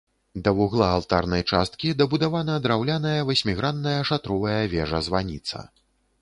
Да вугла алтарнай часткі дабудавана драўляная васьмігранная шатровая вежа-званіца.